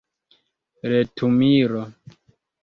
retumilo